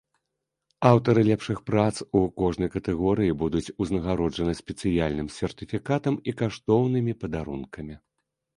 Аўтары лепшых прац у кожнай катэгорыі будуць узнагароджаны спецыяльным сертыфікатам і каштоўнымі падарункамі.